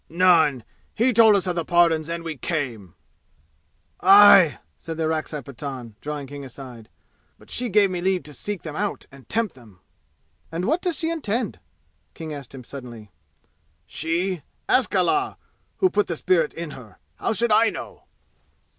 "None! He told us of the pardons and we came!" "Aye!" said the Orakzai Pathan, drawing King aside. "But she gave me leave to seek them out and tempt them!" "And what does she intend?" King asked him suddenly. "She? Ask Allah, who put the spirit in her! How should I know?"